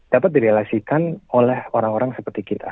dapat direlasikan oleh orang orang seperti kita